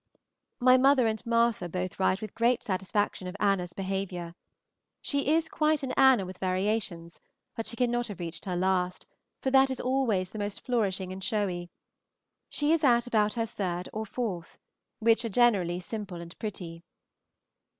My mother and Martha both write with great satisfaction of Anna's behavior. She is quite an Anna with variations, but she cannot have reached her last, for that is always the most flourishing and showy; she is at about her third or fourth, which are generally simple and pretty.